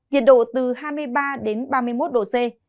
nhiệt độ từ hai mươi ba đến ba mươi một độ c